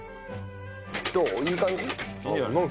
どう？